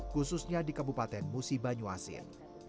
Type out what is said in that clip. khususnya di kabupaten musi banyuasin